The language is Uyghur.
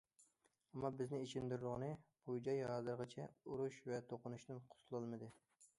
ئەمما بىزنى ئېچىندۇرىدىغىنى بۇ جاي ھازىرغىچە ئۇرۇش ۋە توقۇنۇشتىن قۇتۇلالمىدى.